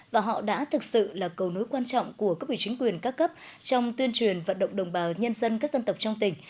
và họ đã thực sự là cầu nối quan trọng của các ủy chính quyền các cấp trong tuyên truyền vận động đồng bào nhân dân các dân tộc trong tỉnh